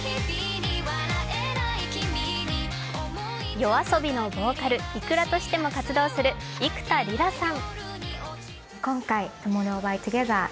ＹＯＡＳＯＢＩのボーカル・ｉｋｕｒａとしても活動する幾田りらさん。